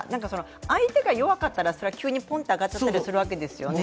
相手が弱かったら急にポンと上がっちゃったりするわけですよね。